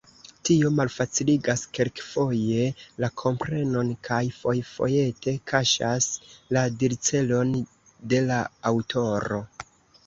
Tio malfaciligas kelkfoje la komprenon, kaj fojfojete kaŝas la dircelon de la aŭtoro.